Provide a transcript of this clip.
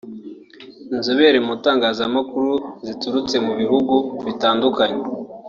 inzobere mu itangazamakuru ziturutse mu bihugu bitandukanye